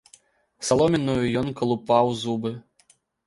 Саломінаю ён калупаў зубы.